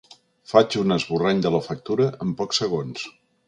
Faig un esborrany de la factura en pocs segons.